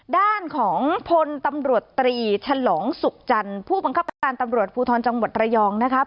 ด้านของพลตำรวจตรีฉลองสุขจันทร์ผู้บังคับการตำรวจภูทรจังหวัดระยองนะคะ